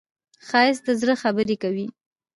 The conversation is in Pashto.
ښایست د زړه خبرې کوي